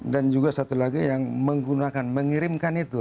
dan juga satu lagi yang menggunakan mengirimkan itu